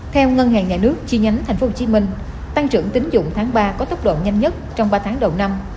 theo ngân hàng nhà nước chi nhánh tp hcm tăng trưởng tính dụng tháng ba có tốc độ nhanh nhất trong ba tháng đầu năm